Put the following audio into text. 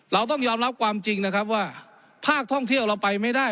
เราต้องยอมรับความจริงนะครับว่าภาคท่องเที่ยวเราไปไม่ได้